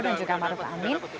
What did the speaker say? dan juga ma'ruf amin